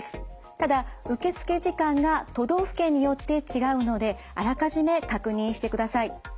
ただ受付時間が都道府県によって違うのであらかじめ確認してください。